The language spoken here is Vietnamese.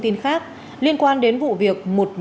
tin khác liên quan đến vụ việc một nhân dân đã bị bệnh